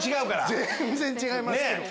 全然違いますけど。